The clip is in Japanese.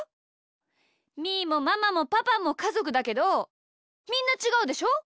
みーもママもパパもかぞくだけどみんなちがうでしょ？